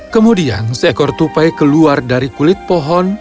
kemudian seekor tupai keluar dari kulit pohon